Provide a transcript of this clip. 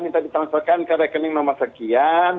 minta ditransferkan ke rekening nomor sekian